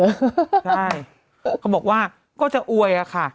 ใช่เขาบอกว่าก็จะอวยอะค่ะ